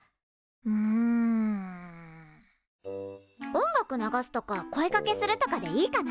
音楽流すとか声かけするとかでいいかな？